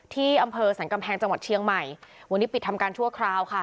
ที่อำเภอสรรกำแพงจังหวัดเชียงใหม่วันนี้ปิดทำการชั่วคราวค่ะ